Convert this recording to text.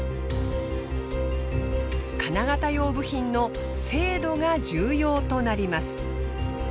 金型用部品の精度が重要となります。